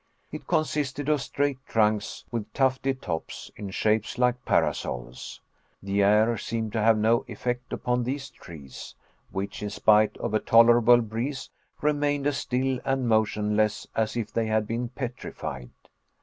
It consisted of straight trunks with tufted tops, in shape like parasols. The air seemed to have no effect upon these trees which in spite of a tolerable breeze remained as still and motionless as if they had been petrified.